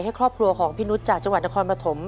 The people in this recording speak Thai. ครอบครัวของพี่นุษย์จากจังหวัดนครปฐม